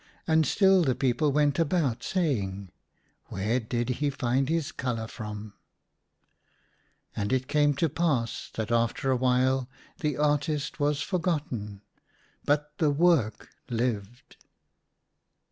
And still the people went about saying, " Where did he find his colour from ?" And it came to pass that after a while the artist was forgotten — but the work lived.